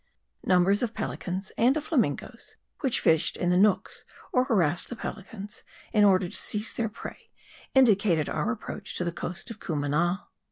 Numbers of pelicans and of flamingos, which fished in the nooks or harassed the pelicans in order to seize their prey, indicated our approach to the coast of Cumana.